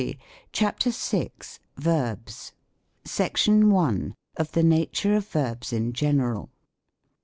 CHAPTER VI. OF VERBS. SECTION I. OF THE HATUKE OF VERBS IN GENERAL.